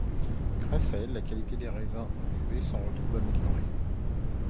Grâce à elles, la qualité des raisins encuvés s'en retrouve améliorée.